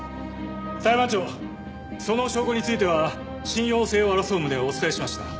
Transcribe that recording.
裁判長その証拠については信用性を争う旨をお伝えしました。